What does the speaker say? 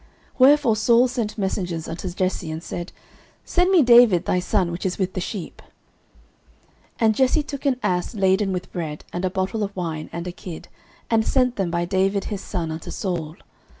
09:016:019 Wherefore Saul sent messengers unto Jesse, and said, Send me David thy son, which is with the sheep. 09:016:020 And Jesse took an ass laden with bread, and a bottle of wine, and a kid, and sent them by David his son unto Saul.